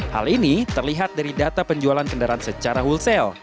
hal ini terlihat dari data penjualan kendaraan secara wholesale